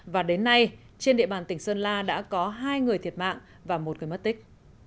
và đến nay trên địa bàn tỉnh sơn la đã có hai người thiệt mạng và một người mất tích